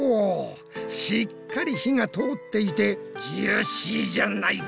しっかり火が通っていてジューシーじゃないか！